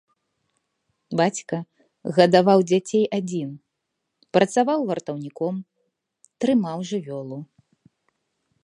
Бацька гадаваў дзяцей адзін, працаваў вартаўніком, трымаў жывёлу.